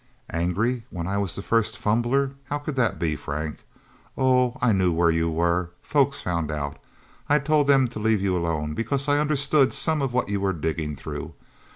"Angry when I was the first fumbler? How could that be, Frank? Oh, I knew where you were folks found out. I told them to leave you alone, because I understood some of what you were digging through.